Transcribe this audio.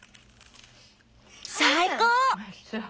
最高！